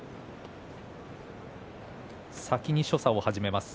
先に所作を始めます。